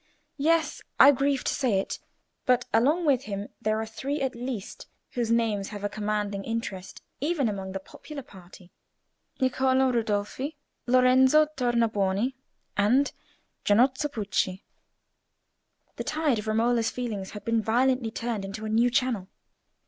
"Yes: I grieve to say it. But along with him there are three, at least, whose names have a commanding interest even among the popular party—Niccolò Ridolfi, Lorenzo Tornabuoni, and Giannozzo Pucci." The tide of Romola's feelings had been violently turned into a new channel.